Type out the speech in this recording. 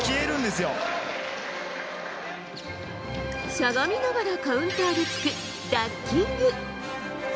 しゃがみながらカウンターで突くダッキング。